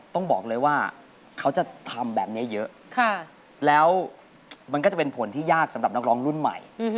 ต้องบอกเลยว่าเขาจะทำแบบนี้เยอะแล้วมันก็จะเป็นผลที่ยากสำหรับนักร้องรุ่นใหม่